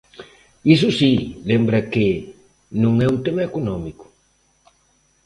Iso si, lembra que "non é un tema económico".